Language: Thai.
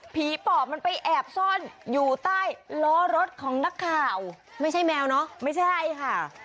ปอบมันไปแอบซ่อนอยู่ใต้ล้อรถของนักข่าวไม่ใช่แมวเนอะไม่ใช่ค่ะ